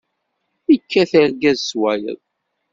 Ikkat argaz s wayeḍ.